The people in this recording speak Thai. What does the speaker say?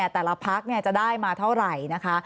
แต่ละพักจะได้มาเท่าไหร่นะคะ